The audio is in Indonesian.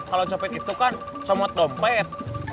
kalau copet itu kan comot dompet